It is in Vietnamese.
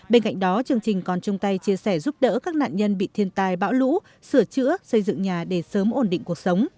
bên cạnh đó chương trình còn chung tay chia sẻ giúp đỡ các nạn nhân bị thiên tai bão lũ sửa chữa xây dựng nhà để sớm ổn định cuộc sống